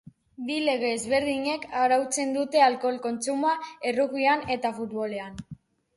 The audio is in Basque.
Bi lege ezberdinek arautzen dute alkohol kontsumoa errugbian eta futbolean.